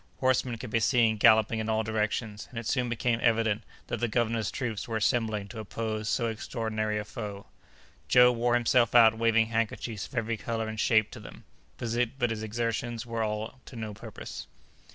Horsemen could be seen galloping in all directions, and it soon became evident that the governor's troops were assembling to oppose so extraordinary a foe. Joe wore himself out waving handkerchiefs of every color and shape to them; but his exertions were all to no purpose.